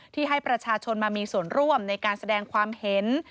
ที่ให้ประชาชนมามีส่วนร่วมในการแสดงความเห็น